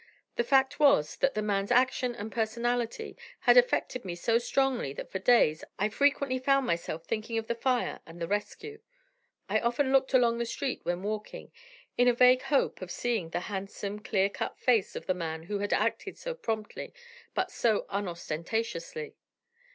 The fact was, that the man's action and personality had affected me so strongly that for days I frequently found myself thinking of the fire and the rescue. I often looked along the street when walking, in a vague hope of seeing the handsome, clear cut face of the man who had acted so promptly, but so unostentatiously.